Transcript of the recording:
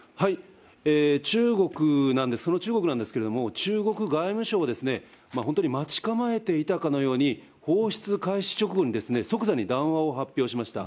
その中国なんですけれども、中国外務省は、本当に待ち構えていたかのように、放出開始直後に、即座に談話を発表しました。